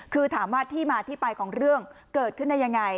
คือถามว่าที่มาที่ไปของเรื่องเกิดขึ้นได้ยังไง